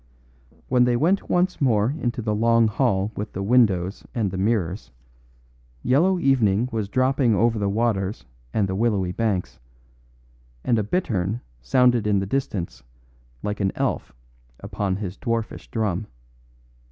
When they went once more into the long hall with the windows and the mirrors, yellow evening was dropping over the waters and the willowy banks; and a bittern sounded in the distance like an elf upon his dwarfish drum.